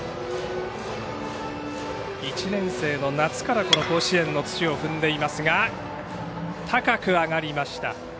１年生の夏からこの甲子園の土を踏んでいますが高く上がりました。